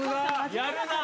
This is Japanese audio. やるな。